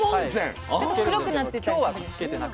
ちょっと黒くなってたりする。